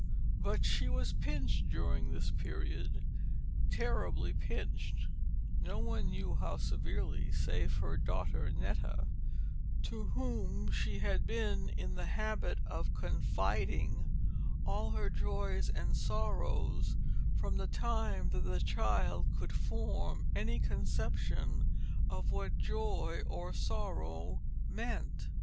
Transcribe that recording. But she was pinched during this period terribly pinched no one knew how severely save her daughter Netta, to whom she had been in the habit of confiding all her joys and sorrows from the time that the child could form any conception of what joy or sorrow meant.